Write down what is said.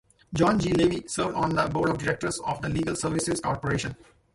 John G. Levi served on the Board of Directors of the Legal Services Corporation.